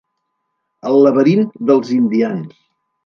"El laberint dels indians"